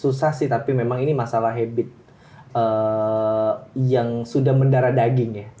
susah sih tapi memang ini masalah habit yang sudah mendara daging ya